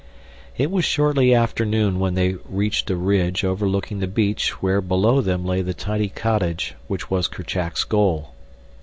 It was shortly after noon when they reached a ridge overlooking the beach where below them lay the tiny cottage which was Kerchak's goal.